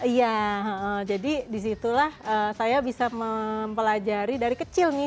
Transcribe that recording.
iya jadi disitulah saya bisa mempelajari dari kecil nih